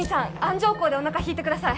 鞍状鈎でおなか引いてください